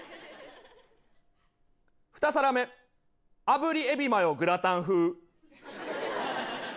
「２皿目あぶりエビマヨグラタン風」。